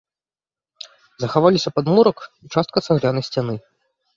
Захаваліся падмурак і частка цаглянай сцяны.